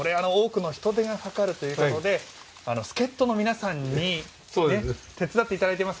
人手がかかるということで助っ人の皆さんに手伝っていただいております。